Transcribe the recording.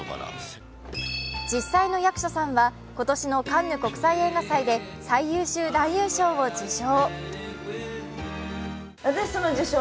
実際の役所さんは今年のカンヌ国際映画祭で最優秀男優賞を受賞。